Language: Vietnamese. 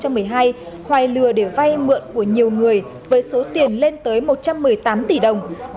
hoài lừa để vay mượn của nhiều người với số tiền lên tới một trăm một mươi tám tỷ đồng